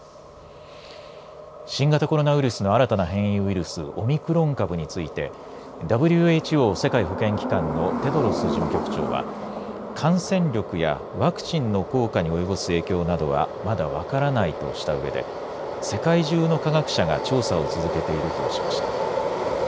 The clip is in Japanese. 新型コロナウイルスの新たな変異ウイルスオミクロン株についてＷＨＯ、世界保健機関のテドロス事務局長は感染力やワクチンの効果に及ぼす影響などはまだ分からないとしたうえで世界中の科学者が調査を続けているとしました。